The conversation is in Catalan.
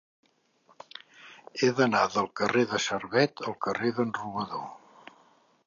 He d'anar del carrer de Servet al carrer d'en Robador.